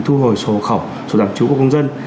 thu hồi sổ hộ khẩu sổ tạm trú của công dân